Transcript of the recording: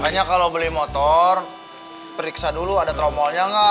hanya kalau beli motor periksa dulu ada tromolnya nggak